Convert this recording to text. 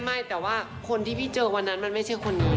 ไม่แต่ว่าคนที่พี่เจอวันนั้นมันไม่ใช่คนนี้